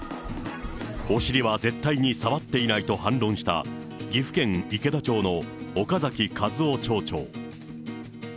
お尻は絶対に触っていないと反論した、岐阜県池田町の岡崎和夫町長。